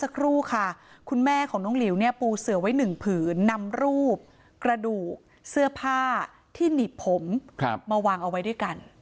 กระดูกเสื้อผ้าที่หนีบผมมาวางเอาไว้ด้วยกัน